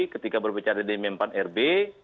ketika berbicara di mempan rb